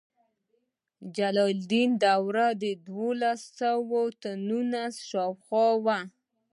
د جلال الدین دوره د دولس سوه نوي شاوخوا وه.